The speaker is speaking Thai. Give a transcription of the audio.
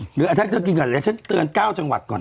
หรือถ้าเธอกินก่อนเดี๋ยวฉันเตือน๙จังหวัดก่อน